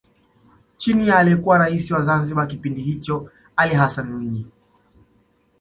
Chini ya aliyekuwa Rais wa Zanzibar kipindi hicho Ali Hassani Mwinyi